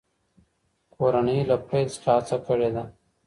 کورنۍ له پیل څخه هڅه کړې ده.